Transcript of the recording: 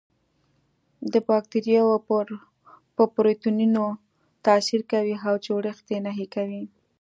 د باکتریاوو په پروتینونو تاثیر کوي او جوړښت یې نهي کوي.